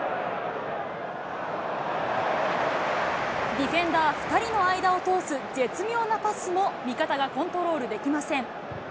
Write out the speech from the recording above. ディフェンダー２人の間を通す絶妙なパスも、味方がコントロールできません。